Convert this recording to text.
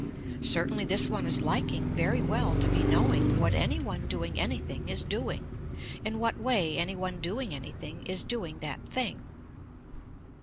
Certainly this one is liking very well to be knowing what any one doing anything is doing, in what way any one doing anything is doing that thing.